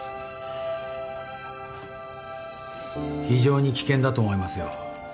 非常に危険だと思いますよ。